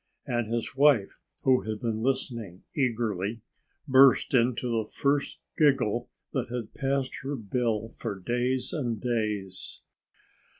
And his wife, who had been listening eagerly, burst into the first giggle that had passed her bill for days and days.